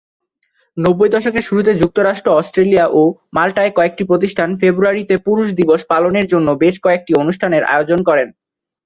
নব্বই দশকের শুরুতে যুক্তরাষ্ট্র, অস্ট্রেলিয়া ও মাল্টায় কয়েকটি প্রতিষ্ঠান ফেব্রুয়ারিতে পুরুষ দিবস পালনের জন্য বেশ কয়েকটি অনুষ্ঠানের আয়োজন করেন।